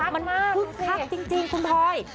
มันคึกคักมากดูสิคึกคักจริงคุณพลอย